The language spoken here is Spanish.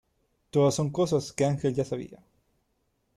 Todas son cosas que Angel ya sabía.